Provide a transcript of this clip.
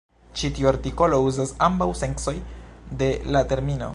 Ĉi tiu artikolo uzas ambaŭ sencoj de la termino.